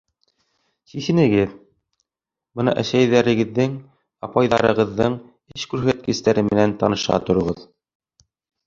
— Сисенегеҙ, бына әсәйҙәрегеҙҙең, апайҙарығыҙҙың эш күрһәткестәре менән таныша тороғоҙ.